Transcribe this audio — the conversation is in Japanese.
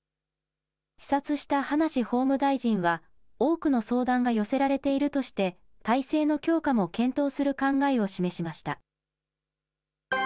視察した葉梨法務大臣は、多くの相談が寄せられているとして、体制の強化も検討する考えを示しました。